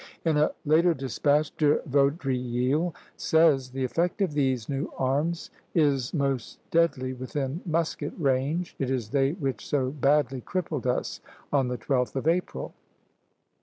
In a later despatch De Vaudreuil says: "The effect of these new arms is most deadly within musket range; it is they which so badly crippled us on the 12th of April."